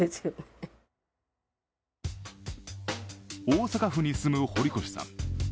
大阪府に住む堀越さん。